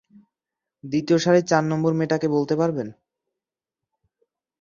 দ্বিতীয় সারির চার নম্বর মেয়েটা কে বলতে পারবেন?